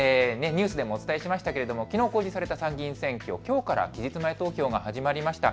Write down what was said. ニュースでもお伝えしましたがきのう公示された参議院選挙、きょうから期日前投票が始まりました。